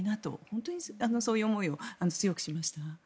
本当にそういう思いを強くしました。